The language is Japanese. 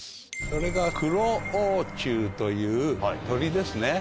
それが。という鳥ですね。